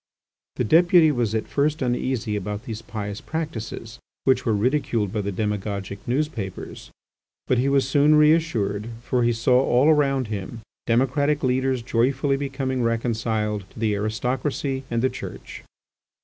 The deputy was at first uneasy about these pious practices, which were ridiculed by the demagogic newspapers, but he was soon reassured, for he saw all around him democratic leaders joyfully becoming reconciled to the aristocracy and the Church.